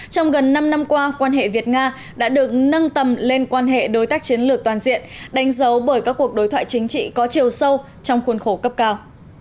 trong gần năm năm qua quan hệ việt nga đã được nâng tầm lên quan hệ đối tác chiến lược toàn diện đánh dấu bởi các cuộc đối thoại chính trị có chiều sâu trong khuôn khổ cấp cao